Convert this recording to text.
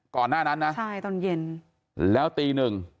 หน้านั้นนะใช่ตอนเย็นแล้วตีหนึ่ง